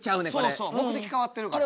そうそう目的変わってるから。